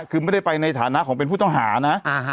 คือไม่ได้ไปในฐานะของเป็นผู้ต้องหานะ